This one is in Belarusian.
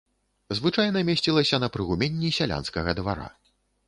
Звычайна месцілася на прыгуменні сялянскага двара.